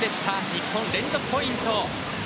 日本、連続ポイント。